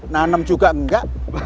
nanam juga enggak